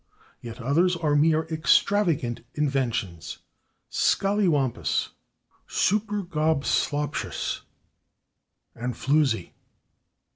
Yet others are mere extravagant inventions: /scallywampus/, /supergobsloptious/ and /floozy